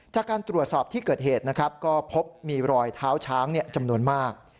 จากการตรวจสอบที่เกิดเหตุนะครับก็พบมีรอยเท้าช้างจำนวนมาก